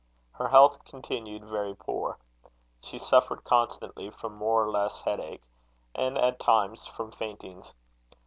Her health continued very poor. She suffered constantly from more or less headache, and at times from faintings.